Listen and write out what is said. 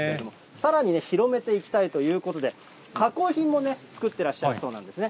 さらに広めていきたいということで、加工品も作ってらっしゃるそうなんですね。